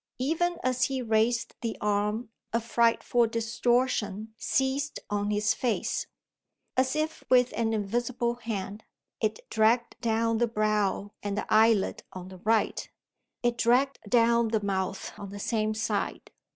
Even as he raised the arm a frightful distortion seized on his face. As if with an invisible hand, it dragged down the brow and the eyelid on the right; it dragged down the mouth on the same side.